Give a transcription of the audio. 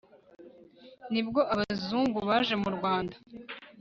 ni bwo abazungu baje mu rwanda